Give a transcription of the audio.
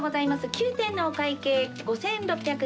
９点のお会計５，６１６円。